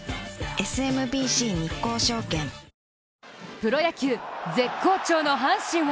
プロ野球、絶好調の阪神は